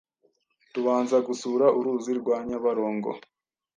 tubanza gusura uruzi rwa Nyabarongo,